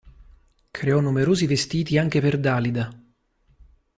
Creò numerosi vestiti anche per Dalida.